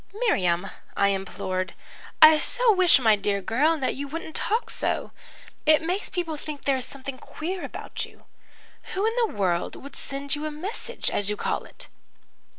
"'Miriam,' I implored. 'I so wish my dear girl, that you wouldn't talk so. It makes people think there is something queer about you. Who in the world was sending you a message, as you call it?'